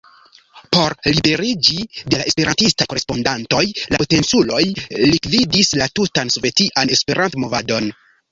Por liberiĝi de la esperantistaj korespondantoj, la potenculoj likvidis la tutan Sovetian Esperanto-movadon.